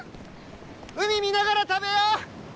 海見ながら食べよう！